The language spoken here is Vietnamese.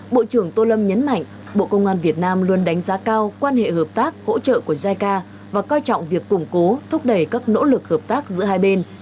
bộ trưởng tô lâm nhấn mạnh bộ công an việt nam luôn đánh giá cao quan hệ hợp tác hỗ trợ của jica và coi trọng việc củng cố thúc đẩy các nỗ lực hợp tác giữa hai bên